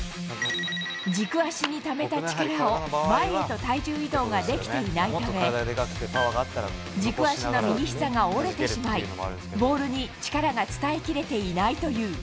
軸足にためた力を、前へと体重移動ができていないため、軸足の右ひざが折れてしまい、ボールに力が伝えきれていないという。